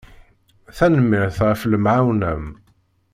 Tanemmirt ɣef lemɛawna-m.